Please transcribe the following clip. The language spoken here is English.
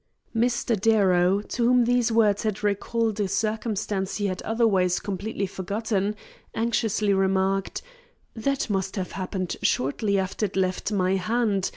Mr. Darrow, to whom these words had recalled a circumstance he had otherwise completely forgotten, anxiously remarked: "That must have happened shortly after it left my hand.